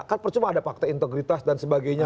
kan percuma ada fakta integritas dan sebagainya